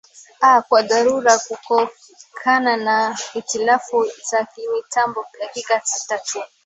a kwa dharura kukokana na hitilafu za kimitambo dakika sita tu